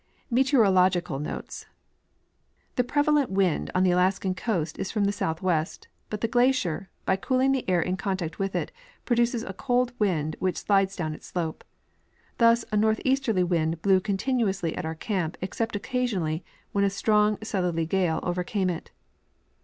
Meteorological Notes. The prevalent wind on the Alaskan coast is from the south west, but the glacier, by cooling the air in contact with it, pro duces a cold wind which slides down its slope. Thus a north easterly wind blew continuously at our camp except occasionally when a strong southerly gale overcame it.